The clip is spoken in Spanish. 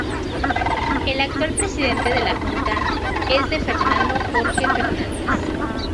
El actual presidente de la Junta es de Fernando Jorge Fernandes.